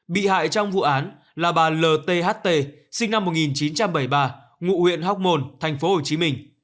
bị hại trong vụ án là bà l t h t sinh năm một nghìn chín trăm bảy mươi ba ngụ huyện hóc môn tp hcm